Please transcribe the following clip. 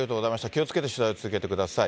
気をつけて取材を続けてください。